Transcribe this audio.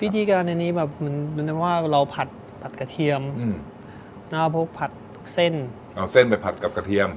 วิธีการอันนี้แบบเหมือนว่าเราผัดกระเทียมแล้วก็พวกผัดพวกเส้นเอาเส้นไปผัดกับกระเทียม